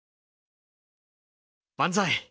「万歳！